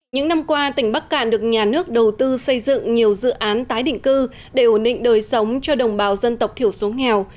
những năm qua tỉnh bắc cạn được nhà nước đầu tư xây dựng nhiều dự án tái định cư để ổn định đời sống cho đồng bào dân tộc thiểu số nghèo